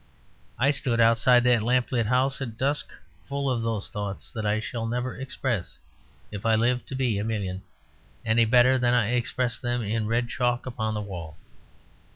I stood outside that lamplit house at dusk full of those thoughts that I shall never express if I live to be a million any better than I expressed them in red chalk upon the wall.